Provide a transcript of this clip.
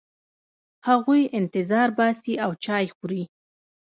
هغوی انتظار باسي او چای خوري.